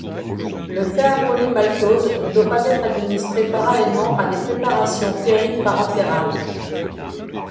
Le fer-polymaltose ne doit pas être administré parallèlement à des préparations ferriques parentérales.